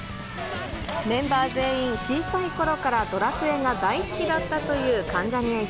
メンバー全員、小さいころからドラクエが大好きだったという関ジャニ∞。